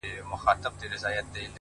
پرمختګ د جرئت او هڅې ملګرتیا ده.!